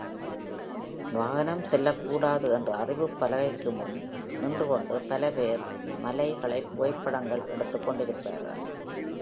வாகனம் செல்லக்கூடாது என்ற அறிவிப்புப் பலகைக்கு முன் நின்றுகொண்டு பல பேர் மலைகளைப் புகைப்படங்கள் எடுத்துக்கொண்டிருக்கிறார்கள்.